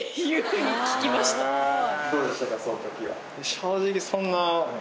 正直そんな。